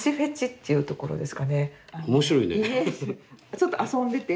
ちょっと遊んでて。